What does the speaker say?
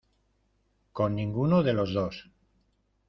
con ninguno de los dos.